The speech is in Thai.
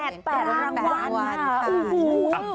เป็น๘รางวัลค่ะ